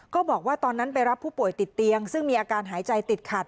ก็บอกว่าตอนนั้นไปรับผู้ป่วยติดเตียงซึ่งมีอาการหายใจติดขัด